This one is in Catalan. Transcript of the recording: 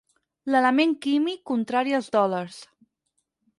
L'element químic contrari als dòlars.